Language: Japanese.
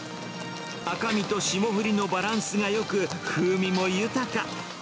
赤身と霜降りのバランスがよく、風味も豊か。